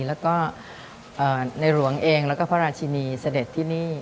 แล้วก็ในหลวงเองแล้วก็พระราชินีเสด็จที่นี่